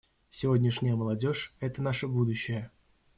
Сегодняшняя молодежь — это наше будущее.